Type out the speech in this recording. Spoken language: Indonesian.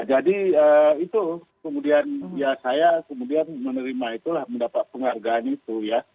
jadi itu kemudian saya menerima itulah mendapat penghargaan itu ya